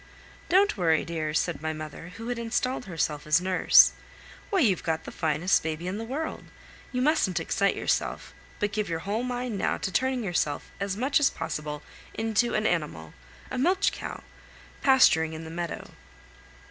"Don't worry, dear," said my mother, who had installed herself as nurse. "Why, you've got the finest baby in the world. You mustn't excite yourself; but give your whole mind now to turning yourself as much as possible into an animal, a milch cow, pasturing in the meadow."